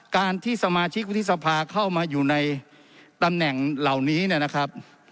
การที่สมาชิกวุฒิสภาเข้ามาอยู่ในตำแหน่งเหล่านี้นะครับ